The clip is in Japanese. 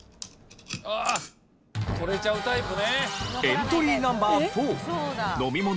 ああ取れちゃうタイプね。